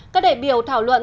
các đại biểu thảo luận